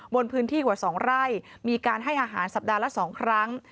บนพื้นที่กว่า๒ไร่มีการให้อาหารสัปดาห์ละ๒ครั้ง